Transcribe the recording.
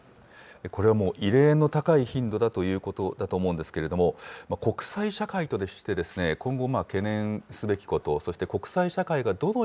これはもう異例の高い頻度だということだと思うんですけれども、国際社会として今後、懸念すべきこと、そして国際社会がどの